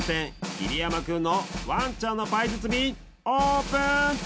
桐山君のワンちゃんのパイ包みオープン！